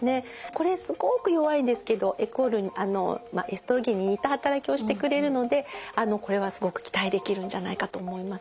これすごく弱いんですけどエストロゲンに似た働きをしてくれるのでこれはすごく期待できるんじゃないかと思います。